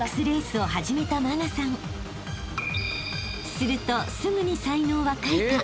［するとすぐに才能は開花］